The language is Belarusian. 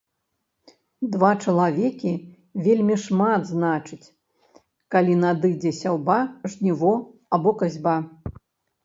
Два чалавекі вельмі шмат значыць, калі надыдзе сяўба, жніво або касьба.